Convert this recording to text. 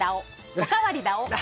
おかわりだお。